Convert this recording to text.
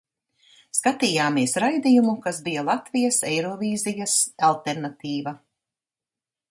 Skatījāmies raidījumu, kas bija Latvijas Eirovīzijas alternatīva.